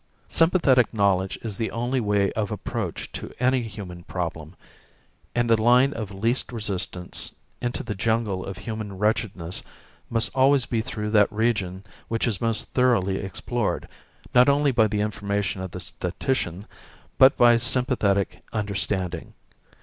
Sympathetic knowledge is the only way of approach to any human problem, and the line of least resistance into the jungle of human wretchedness must always be through that region which is most thoroughly explored, not only by the information of the statistician, but by sympathetic understanding.